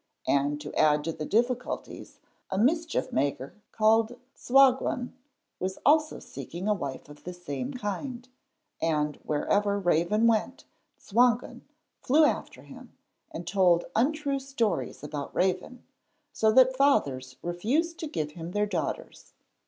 And to add to the difficulties, a mischief maker called Tsagwan was also seeking a wife of the same kind, and wherever Raven went Tsagwan flew after him, and told untrue stories about Raven, so that fathers refused to give him their daughters.